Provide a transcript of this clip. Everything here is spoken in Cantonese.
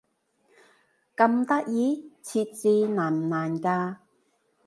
咁得意？設置難唔難㗎？